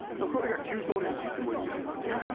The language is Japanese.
これが「旧ソ連」といってもいいぐらいですよね。